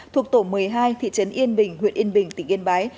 thuộc tổ một mươi hai thị trấn yên bình huyện yên bình tỉnh yên bái